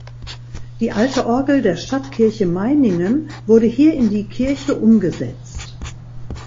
Die alte Orgel der Stadtkirche Meiningen wurde hier in die Kirche umgesetzt.